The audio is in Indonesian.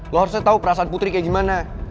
lo harusnya tahu perasaan putri kayak gimana